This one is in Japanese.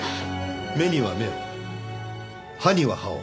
目には目を歯には歯を。